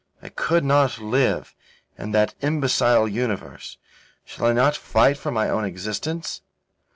I could not live in that imbecile universe. Shall I not fight for my own existence?"